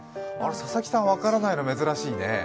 佐々木さん分からないの珍しいね。